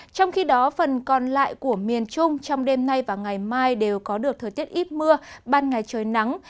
trong khi đó phần còn lại của miền trung trong đêm nay và ngày mai đều có được thời tiết ít mưa ban ngày trời nắng